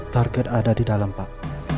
target ada di dalam pak